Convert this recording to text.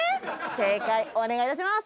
正解お願いします